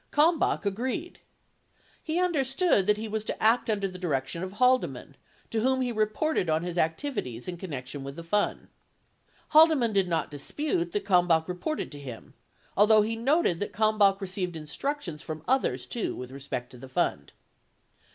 39 Kalmbach agreed. He understood that he was to act under the direction of Haldeman, to whom he reported on his activities in con nection with the fund. Haldeman did not dispute that Kalmbach re ported to him, although he noted that Kalmbach received instructions from others, too, with respect to the fund.